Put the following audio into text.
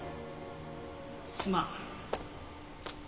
すまん。